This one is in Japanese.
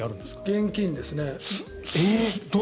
現金ですね。